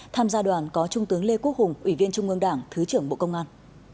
tham gia đoàn có trung tướng lê quốc hùng ủy viên trung ương đảng thứ trưởng bộ công an